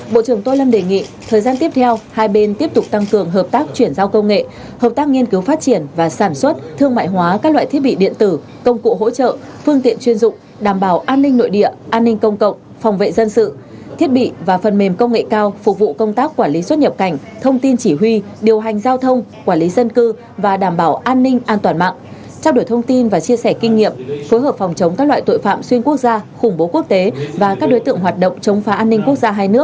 bộ trưởng tô lâm đề nghị thời gian tiếp theo hai bên tiếp tục tăng cường hợp tác chuyển giao công nghệ hợp tác nghiên cứu phát triển và sản xuất thương mại hóa các loại thiết bị điện tử công cụ hỗ trợ phương tiện chuyên dụng đảm bảo an ninh nội địa an ninh công cộng phòng vệ dân sự thiết bị và phần mềm công nghệ cao phục vụ công tác quản lý xuất nhập cảnh thông tin chỉ huy điều hành giao thông quản lý dân cư và đảm bảo an ninh an toàn mạng trao đổi thông tin và chia sẻ kinh nghiệm phối hợp phòng